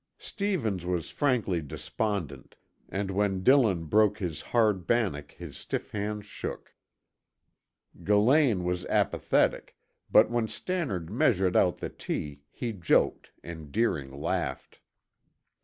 Stevens was frankly despondent, and when Dillon broke his hard bannock his stiff hands shook. Gillane was apathetic, but when Stannard measured out the tea he joked and Deering laughed.